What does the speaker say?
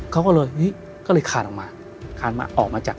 เขาก็เลยคานออกมา